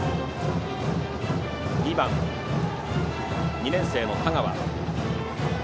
２番、２年生の田川。